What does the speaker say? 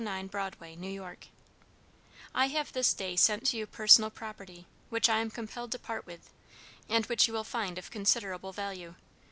609 Broadway, New York_: "I have this day sent to you personal property, which I am compelled to part with, and which you will find of considerable value.